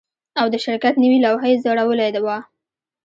او د شرکت نوې لوحه یې ځړولې وه